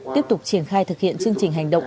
tiếp tục triển khai thực hiện chương trình hành động